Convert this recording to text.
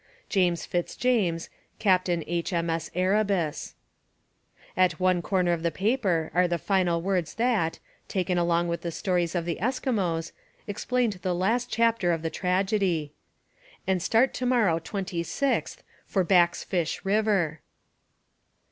James Fitzjames, Captain H.M.S. Erebus.' At one corner of the paper are the final words that, taken along with the stories of the Eskimos, explained the last chapter of the tragedy 'and start to morrow 26th for Back's Fish River.'